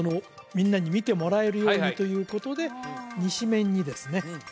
みんなに見てもらえるようにということで西面にですね